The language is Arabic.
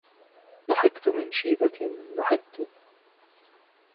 ضحكت من شيبة ضحكت